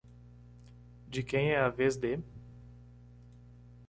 De quem é a vez de?